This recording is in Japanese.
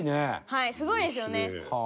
はいすごいですよね。